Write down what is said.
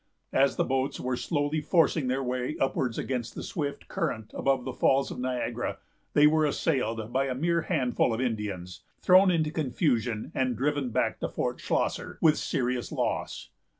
As the boats were slowly forcing their way upwards against the swift current above the falls of Niagara, they were assailed by a mere handful of Indians, thrown into confusion, and driven back to Fort Schlosser with serious loss.